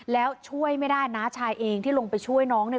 แล้วช่วยไม่ได้น้าชายเองที่ลงไปช่วยน้องเนี่ย